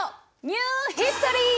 ニューヒストリー！